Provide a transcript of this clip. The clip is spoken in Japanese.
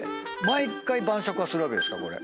毎回晩酌はするわけですか？